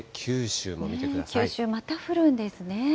九州、また降るんですね。